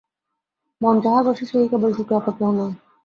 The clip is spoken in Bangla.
মন যাহার বশে, সে-ই কেবল সুখী, অপর কেহ নয়।